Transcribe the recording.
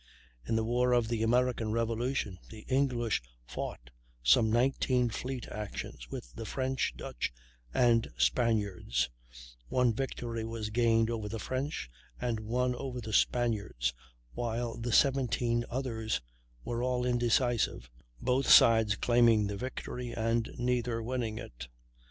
In the War of the American Revolution, the English fought some 19 fleet actions with the French, Dutch, and Spaniards; one victory was gained over the French, and one over the Spaniards, while the 17 others were all indecisive, both sides claiming the victory, and neither winning it.